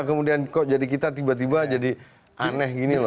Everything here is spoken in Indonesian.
kemudian kok jadi kita tiba tiba jadi aneh gini loh